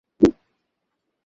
তিনি চিত্রিত করেছেন শাজাদ লতিফ।